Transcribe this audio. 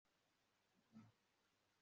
gukora inyandiko mvugo y inama